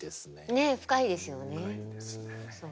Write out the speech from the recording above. ねえ深いですよね。